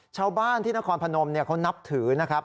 ชาวบ้านที่นครพนมเขานับถือนะครับ